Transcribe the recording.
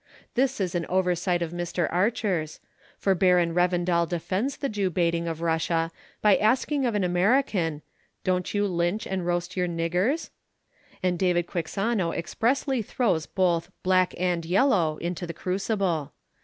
This is an oversight of Mr. Archer's, for Baron Revendal defends the Jew baiting of Russia by asking of an American: "Don't you lynch and roast your niggers?" And David Quixano expressly throws both "black and yellow" into the crucible.